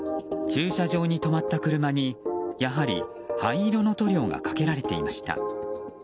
駐車場に止まった車にやはり灰色の塗料がかけられていました。